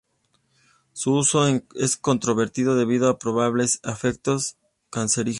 Su uso es controvertido debido a probables efectos cancerígenos.